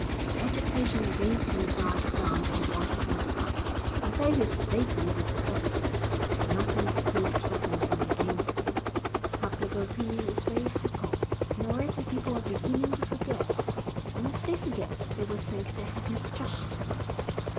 The agitation against him died down for want of matter, and though he is vaguely discredited, nothing is proved definitely against him. Public opinion is very fickle, and already people are beginning to forget, and as they forget they will think they have misjudged him.